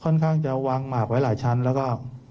ค่อนข้างจะวางหมากไว้หลายชั้นแล้วก็